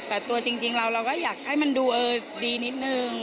แต่ตัวจริงเราก็อยากให้มันดูดีนิดนึง